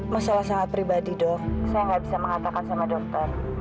masalah sangat pribadi dok saya nggak bisa mengatakan sama dokter